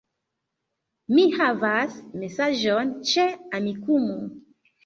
Mi havas mesaĝon ĉe Amikumu